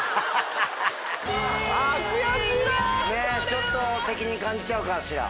ちょっと責任感じちゃうかしら。